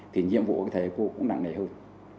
thì nhiệm vụ của các thầy cô cũng nặng ngày hơn